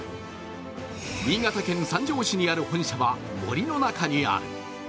新潟県三条市にある本社は、森の中にある。